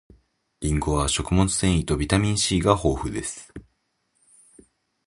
りんごは食物繊維とビタミン C が豊富です